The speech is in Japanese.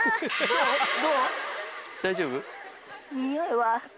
⁉大丈夫？